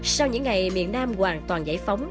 sau những ngày miền nam hoàn toàn giải phóng